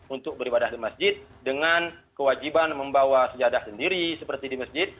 untuk beribadah di masjid dengan kewajiban membawa sejadah sendiri seperti di masjid